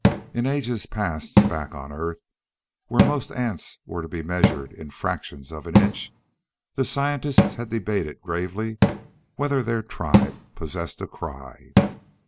In ages past, back on Earth where most ants were to be measured in fractions of an inch the scientists had debated gravely whether their tribe possessed a cry.